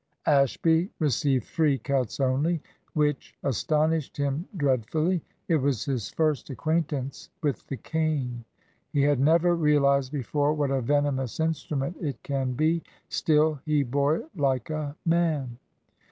Ashby received three cuts only, which astonished him dreadfully. It was his first acquaintance with the cane. He had never realised before what a venomous instrument it can be. Still, he bore it like a man.